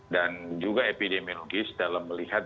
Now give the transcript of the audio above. dan juga epidemiologis dalam melihat